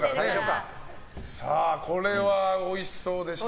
これはおいしそうでした。